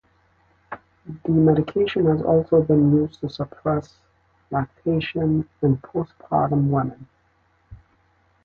The medication has also been used to suppress lactation in postpartum women.